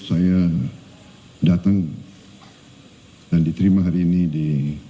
saya datang dan diterima hari ini di